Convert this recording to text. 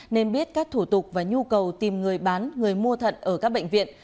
nên biết các thủ tục và nhu cầu tìm người bán người mua thận ở các bệnh viện